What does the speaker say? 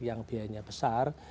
yang biayanya besar